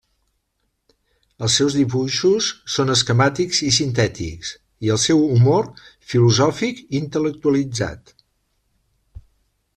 Els seus dibuixos són esquemàtics i sintètics, i el seu humor, filosòfic i intel·lectualitzat.